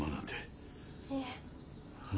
いえ。